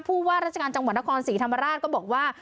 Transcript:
ผู้ว่าราชการจังหวัดนครศรีธรรมราชก็บอกว่า